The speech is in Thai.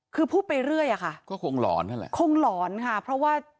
คือพูดไปเรื่อยอะคะก็คงหลอนนั่นแหละ